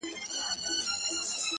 د ټپې په رزم اوس هغه ده پوه سوه ـ